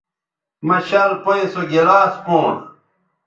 مہ شَل پئیں سو گلاس پونݜ